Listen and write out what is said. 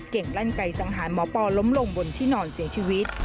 ลั่นไก่สังหารหมอปอล้มลงบนที่นอนเสียชีวิต